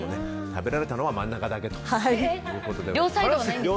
食べられたのは真ん中だけということです。